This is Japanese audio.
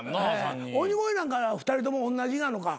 鬼越なんか２人ともおんなじなのか？